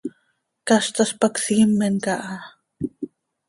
Caztaz pac siimen caha.